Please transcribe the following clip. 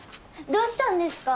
どうしたんですか？